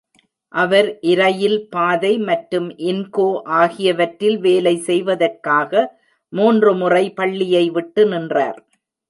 அவர் இரயில் பாதை மற்றும் இன்கோ ஆகியவற்றில் வேலை செய்வதற்காக மூன்று முறை பள்ளியை விட்டு நின்றார்.